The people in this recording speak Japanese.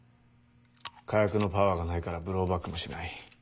火薬のパワーがないからブローバックもしない。